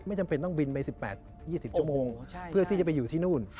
ไม่จำเป็นต้องวินไป๑๘๒๐จมเพื่อที่จะไปอยู่ที่นู่น